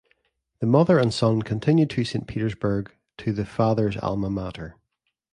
The mother and son continued to Saint Petersburg to the father's alma mater.